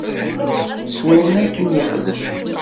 S wayen akken yexdem.